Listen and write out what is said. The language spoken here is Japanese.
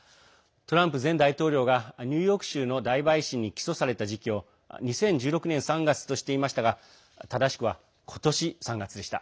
トランプ前大統領がニューヨーク州の大陪審に起訴された時期を２０１６年３月としていましたが正しくは、今年３月でした。